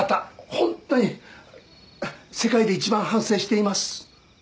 本当に世界で一番反省しています